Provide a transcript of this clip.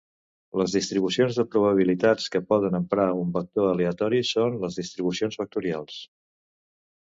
Les distribucions de probabilitat que poden emprar un vector aleatori són les distribucions vectorials.